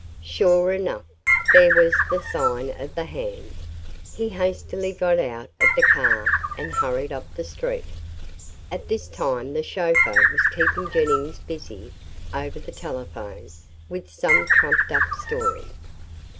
Sure enough, there was the sign of the hand. He hastily got out of the car and hurried up the street. All this time the chauffeur was keeping Jennings busy over the telephone with some trumped up story.